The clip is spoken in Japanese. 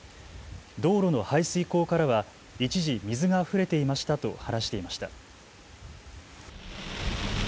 道路の排水溝からは一時、水があふれていましたと話していました。